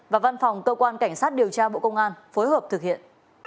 và văn phòng cơ quan cảnh sát điều tra bộ công an phối hợp thực hiện